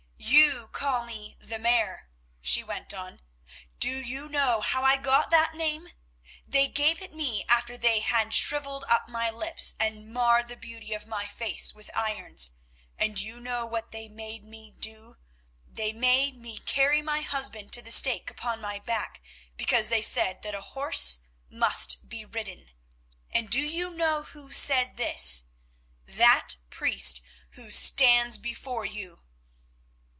"You call me the Mare," she went on. "Do you know how I got that name? They gave it me after they had shrivelled up my lips and marred the beauty of my face with irons. And do you know what they made me do? They made me carry my husband to the stake upon my back because they said that a horse must be ridden. And do you know who said this? _That priest who stands before you.